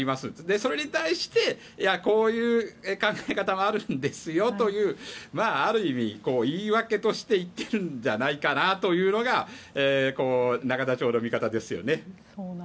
それに対してこういう考え方もあるんですよというある意味、言い訳として言ってるんじゃないかなというのが永田町の見方ですよね。